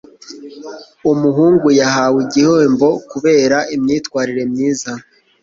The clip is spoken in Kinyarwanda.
Umuhungu yahawe igihembo kubera imyitwarire myiza.